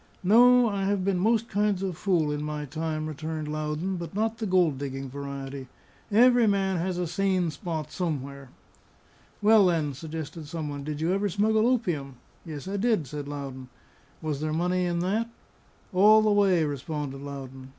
"No. I have been most kinds of fool in my time," returned Loudon, "but not the gold digging variety. Every man has a sane spot somewhere." "Well, then," suggested some one, "did you ever smuggle opium?" "Yes, I did," said Loudon. "Was there money in that?" "All the way," responded Loudon.